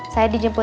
dan aku ber volt